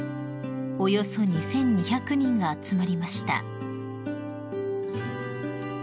およそ２，２００人が集まりました］